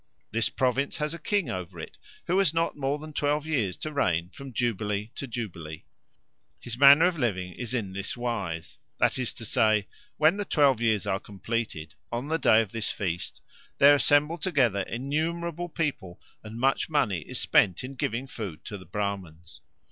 This province has a king over it, who has not more than twelve years to reign from jubilee to jubilee. His manner of living is in this wise, that is to say: when the twelve years are completed, on the day of this feast there assemble together innumerable people, and much money is spent in giving food to Bramans.